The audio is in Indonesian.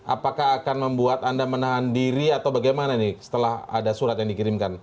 apakah akan membuat anda menahan diri atau bagaimana ini setelah ada surat yang dikirimkan